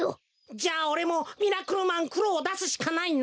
じゃあおれもミラクルマンくろをだすしかないな。